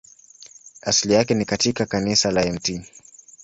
Asili yake ni katika kanisa la Mt.